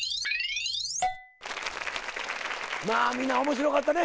まあみんな面白かったね。